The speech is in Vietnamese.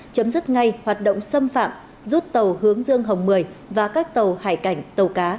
chấm dứt ngay hoạt động xâm phạm rút tàu hướng dương hồng mười và các tàu hải cảnh tàu cá